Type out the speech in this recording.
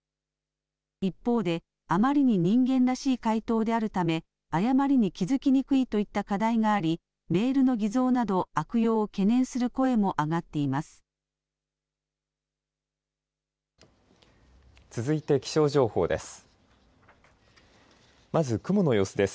一方であまりに人間らしい回答であるため誤りに気付きにくいといった課題がありメールの偽造など悪用を懸念する声も上がっています。